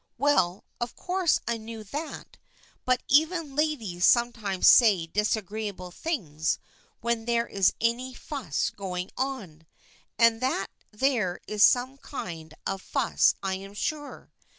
" Well, of course I knew that, but even ladies sometimes say disagreeable things when there is any fuss going on, and that there is some kind of fuss I'm sure.